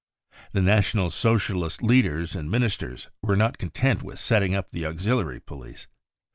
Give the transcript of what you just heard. The National Socialist leaders and Ministers were not content with setting up the auxiliary police.